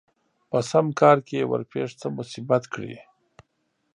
په سم کار کې يې ورپېښ څه مصيبت کړي